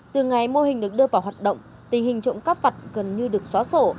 từ ngày mô hình được đưa vào hoạt động tình hình trộm cắp vặt gần như được xóa sổ